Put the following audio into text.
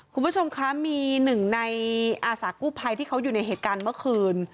คุณผู้ชมคะมีหนึ่งในอาสากู้ภัยที่เขาอยู่ในเหตุการณ์เมื่อคืน